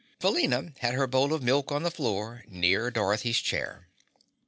Felina had her bowl of milk on the floor, near Dorothy's chair.